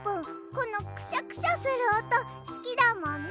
このクシャクシャするおとすきだもんね。